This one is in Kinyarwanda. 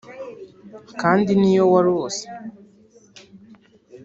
kandi niyo warose